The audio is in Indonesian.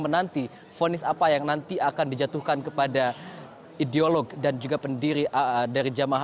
menanti fonis apa yang nanti akan dijatuhkan kepada ideolog dan juga pendiri dari jamaah